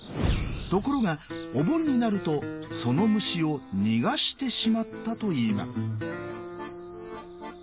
ところがお盆になるとその虫を逃がしてしまったといいます。